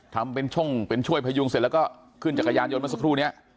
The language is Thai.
ทำเป็นช่องเป็นช่วยพยุงเสร็จแล้วก็ขึ้นจักรยานยนต์มาสักครู่นี้